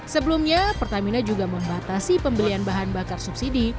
sebelumnya pertamina juga membatasi pembelian bahan bakar subsidi